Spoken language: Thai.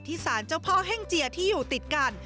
สารเจ้าพ่อแห้งเจียที่อยู่ติดกัน